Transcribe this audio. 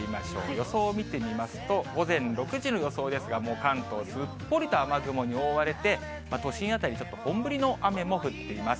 予想を見てみますと、午前６時の予想ですが、もう関東、すっぽりと雨雲に覆われて、都心辺り、ちょっと本降りの雨も降っています。